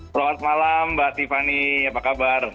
selamat malam mbak tiffany apa kabar